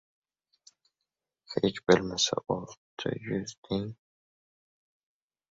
— Hech bo‘lmasa olti yuz deng.